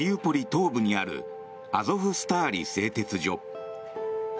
東部にあるアゾフスターリ製鉄所。